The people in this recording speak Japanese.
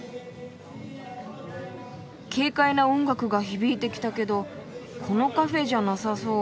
軽快な音楽が響いてきたけどこのカフェじゃなさそう。